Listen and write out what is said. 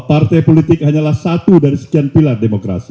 partai politik hanyalah satu dari sekian pilar demokrasi